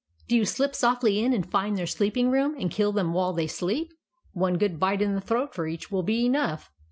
Do you slip softly in, and find their sleeping room, and kill them while they sleep. One good bite in the throat for each will be enough.